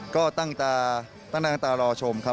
ก็ตั้งตารอชมครับ